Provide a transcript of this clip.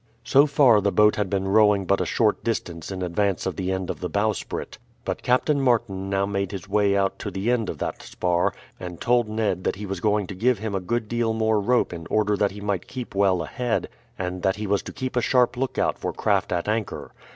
So far the boat had been rowing but a short distance in advance of the end of the bowsprit, but Captain Martin now made his way out to the end of that spar, and told Ned that he was going to give him a good deal more rope in order that he might keep well ahead, and that he was to keep a sharp lookout for craft at anchor.